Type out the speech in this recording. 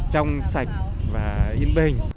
trong sạch và yên bình